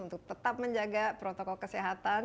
untuk tetap menjaga protokol kesehatan